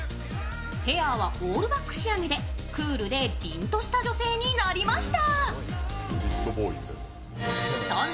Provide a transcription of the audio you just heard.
ヘアはオールバック仕上げでクールでりんとした女性になりました。